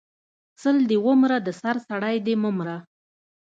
سل دی ومره د سر سړی د مه مره